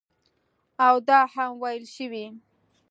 او دا هم ویل شوي